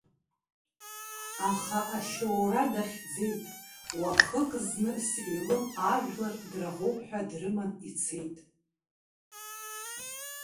Аха ашьоура дахьӡеит уахык зны Селым ажәлар драӷоуп ҳәа дрыман ицеит.